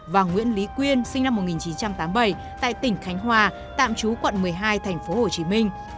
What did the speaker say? và nguyễn lý quyên sinh năm một nghìn chín trăm tám mươi bảy tại tỉnh khánh hòa tạm trú quận một mươi hai tp hcm